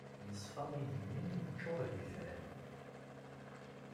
Yeṣfa igenni yeččuṛ d itran.